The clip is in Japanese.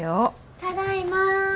ただいま。